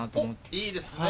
いいですね。